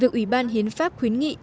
việc ủy ban hiến pháp khuyến nghị